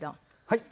はい？